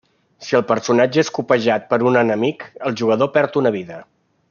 Si el personatge és copejat per un enemic, el jugador perd una vida.